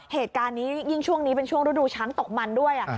เหตุการณ์นี้ยิ่งช่วงนี้เป็นช่วงฤดูช้างตกมันด้วย